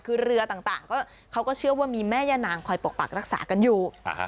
คือเรือต่างเขาก็เชื่อว่ามีแม่ย่านางคอยปกปักรักษากันอยู่